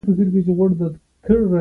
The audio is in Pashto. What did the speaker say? د جنګ له امله وسلې ښخي پاتې شوې.